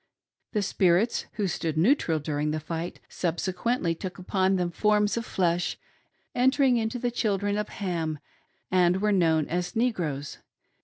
The spirits who stood neutral during the fight subsequently took upon them forms of flesh, entering into the children of Ham, and were known as Negroes.